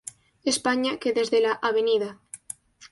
España, que desde la Av.